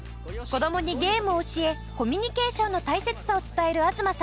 子供にゲームを教えコミュニケーションの大切さを伝える東さん。